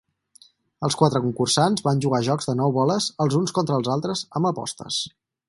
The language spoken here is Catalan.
Els quatre concursants van jugar jocs de nou boles els uns contra els altres amb apostes.